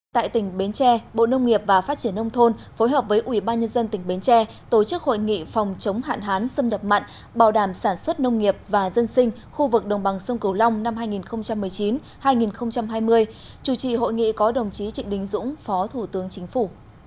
tại tỉnh bến tre bộ nông nghiệp và phát triển nông thôn phối hợp với ủy ban nhân dân tỉnh bến tre tổ chức hội nghị phòng chống hạn hán xâm nhập mặn bảo đảm sản xuất nông nghiệp và dân sinh khu vực đồng bằng sông cầu long năm hai nghìn một mươi chín hai nghìn hai mươi chủ trì hội nghị có đồng chí trịnh đình dũng phó thủ tướng chính phủ